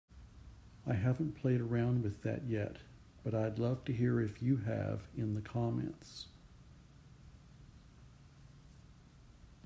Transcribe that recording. I haven't played around with that yet, but I'd love to hear if you have in the comments.